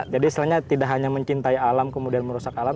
jadi setelahnya tidak hanya mencintai alam kemudian merusak alam